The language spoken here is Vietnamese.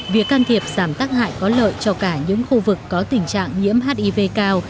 việc can thiệp giảm tác hại có lợi cho cả những khu vực có tình trạng nhiễm hiv cao